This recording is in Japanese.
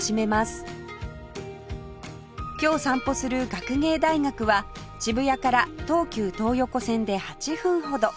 今日散歩する学芸大学は渋谷から東急東横線で８分ほど